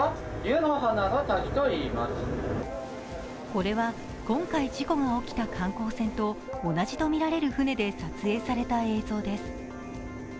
これは今回事故が起きた観光船と同じとみられる船で撮影された映像です。